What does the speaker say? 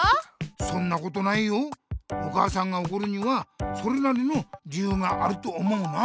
そんなことないよお母さんがおこるにはそれなりの理ゆうがあると思うな。